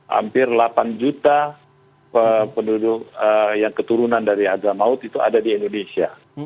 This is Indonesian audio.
hampir delapan juta penduduk yang keturunan dari adramaut itu ada di indonesia